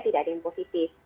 tidak ada yang positif